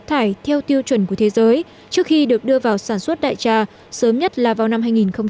thải theo tiêu chuẩn của thế giới trước khi được đưa vào sản xuất đại tra sớm nhất là vào năm hai nghìn một mươi tám